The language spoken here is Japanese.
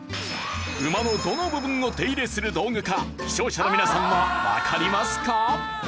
馬のどの部分を手入れする道具か視聴者の皆さんはわかりますか？